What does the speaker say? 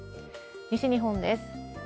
西日本です。